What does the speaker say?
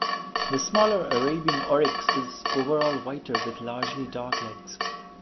The smaller Arabian oryx is overall whiter with largely dark legs.